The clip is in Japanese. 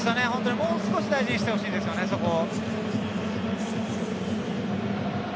もう少し大事にしてほしいですねそこを。